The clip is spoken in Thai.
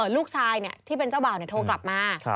ลูกชายที่เป็นเจ้าบ่าวโทรกลับมา